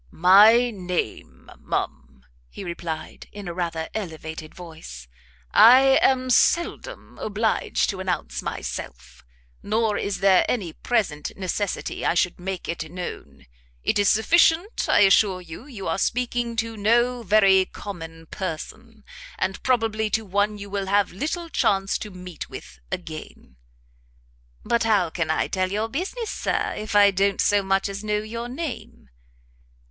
"My name, ma'am," he replied, in a rather elevated voice, "I am seldom obliged to announce myself; nor is there any present necessity I should make it known. It is sufficient I assure you, you are speaking to no very common person, and probably to one you will have little chance to meet with again." "But how can I tell your business, Sir, if I don't so much as know your name?"